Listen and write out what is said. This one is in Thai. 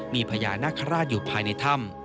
มีพญานาคาราชอยู่ภายในถ้ำ